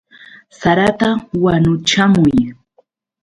¡Sarata wanuchamuy!